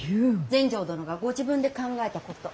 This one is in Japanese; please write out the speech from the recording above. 全成殿がご自分で考えたこと。